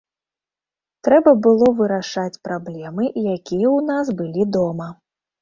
Трэба было вырашаць праблемы, якія ў нас былі дома.